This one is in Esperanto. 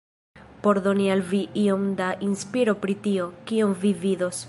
Por doni al vi iom da inspiro pri tio, kion vi vidos